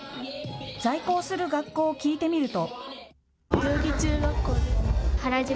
在校する学校を聞いてみると。